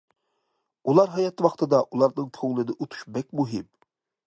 ئۇلار ھايات ۋاقتىدا ئۇلارنىڭ كۆڭلىنى ئۇتۇش بەك مۇھىم.